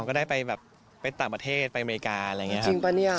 จริง